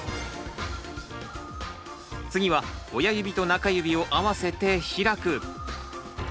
次は親指と中指を合わせて開く。